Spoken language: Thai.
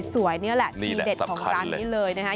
นี่แหละทีเด็ดของร้านนี้เลยนะคะ